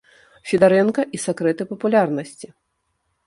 Федарэнка і сакрэты папулярнасці.